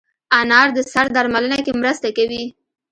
انار د سر درملنه کې مرسته کوي.